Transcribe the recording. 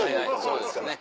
そうですよね。